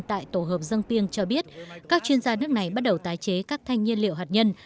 tại tổ hợp dân ping cho biết các chuyên gia nước này bắt đầu tái chế các thanh nhiên liệu hạt nhân